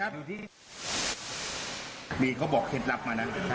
บี๊เขาบอกเคล็ดลับมานะ